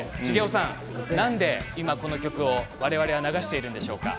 茂雄さんなんで今この曲を我々は流しているんでしょうか？